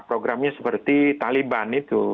programnya seperti taliban itu